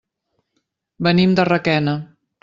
Venim de Requena.